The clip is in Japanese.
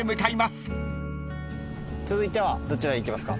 続いてはどちらへ行きますか？